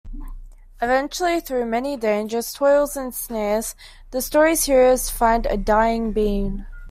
Eventually, through many dangers, toils, and snares, the story's heroes find a dying Bean.